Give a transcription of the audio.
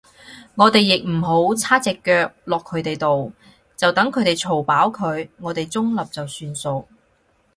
我哋亦唔好叉隻腳落佢哋度，就等佢哋嘈飽佢，我哋中立就算數